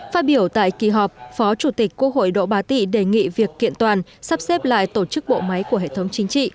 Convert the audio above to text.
phát biểu tại kỳ họp phó chủ tịch quốc hội đỗ bá tị đề nghị việc kiện toàn sắp xếp lại tổ chức bộ máy của hệ thống chính trị